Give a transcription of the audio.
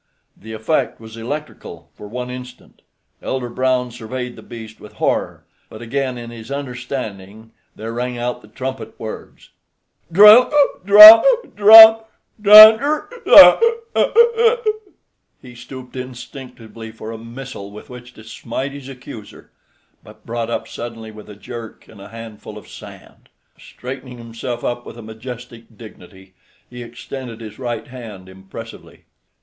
The effect was electrical for one instant. Elder Brown surveyed the beast with horror, but again in his understanding there rang out the trumpet words. "Drunk, drunk, drunk, drer unc, er unc, unc, unc." He stooped instinctively for a missile with which to smite his accuser, but brought up suddenly with a jerk and a handful of sand. Straightening himself up with a majestic dignity, he extended his right hand impressively.